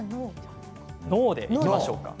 ノーでいきましょうか。